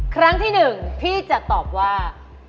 ครั้งที่๑พี่จะตอบว่า